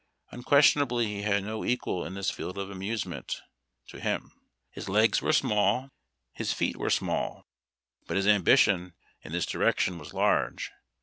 Unquestionably he had no equal in this field of amusement — to him. His legs were small, his feet were small, but his ambition in this direction was large.